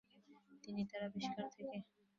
তিনি তার আবিষ্কার থেকে